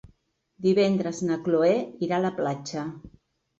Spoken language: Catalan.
Divendres na Cloè irà a la platja.